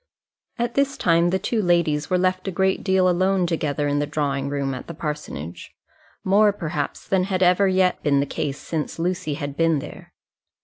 At this time the two ladies were left a great deal alone together in the drawing room at the parsonage; more, perhaps, than had ever yet been the case since Lucy had been there.